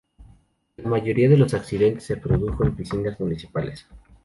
La mayoría de los accidentes se produjo en piscinas municipales.